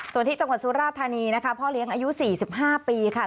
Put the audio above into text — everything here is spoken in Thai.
ส่วนที่จังหวัดสุราธานีนะคะพ่อเลี้ยงอายุ๔๕ปีค่ะ